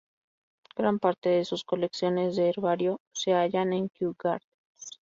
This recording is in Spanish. Gran parte de sus colecciones de herbario se hallan en Kew Gardens